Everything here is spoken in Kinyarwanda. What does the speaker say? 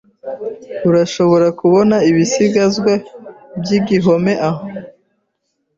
Urashobora kubona ibisigazwa by'igihome aho.